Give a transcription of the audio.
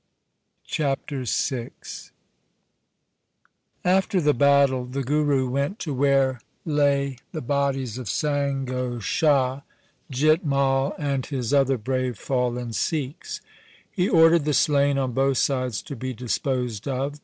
Chapter VI After the battle the Guru went to where lay the bodies of Sango Shah, Jit Mai, and his other brave fallen Sikhs. He ordered the slain on both sides to be disposed of.